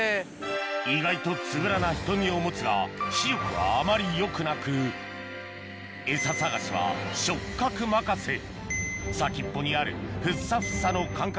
意外とつぶらな瞳を持つが視力はあまりよくなくエサ探しは触角任せ先っぽにあるフッサフサの感覚